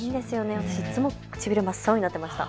私いつも唇、真っ青になっていました。